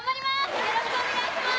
よろしくお願いします！